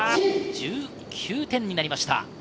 １９点になりました。